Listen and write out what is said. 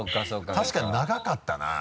確かに長かったな。